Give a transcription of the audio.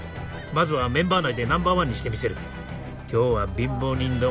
まずはメンバー内でナンバー１にしてみせる。